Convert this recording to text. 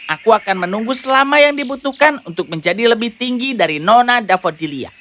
aku akan menunggu selama yang dibutuhkan untuk menjadi lebih tinggi dari nona davodilia